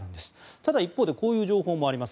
ただ、一方でこういう情報もあります。